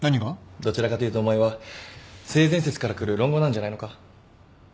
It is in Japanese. どちらかというとお前は性善説からくる論語なんじゃないのか？